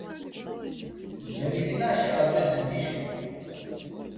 Cemilinaşi adresi gişkuni?